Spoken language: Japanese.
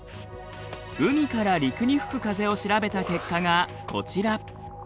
海から陸に吹く風を調べた結果がこちら。